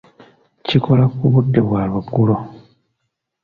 Kikola ku budde bwa lwaggulo.